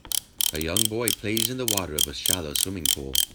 A young boy plays in the water of a shallow swimming pool.